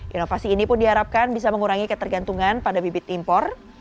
inovasi ini pun diharapkan bisa mengurangi ketergantungan pada bibit impor